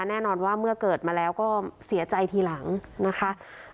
แน่นอนว่าเมื่อเกิดมาแล้วก็เสียใจทีหลังนะคะ